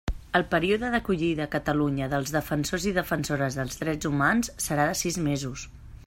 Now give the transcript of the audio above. El període d'acollida a Catalunya dels Defensors i Defensores dels Drets Humans serà de sis mesos.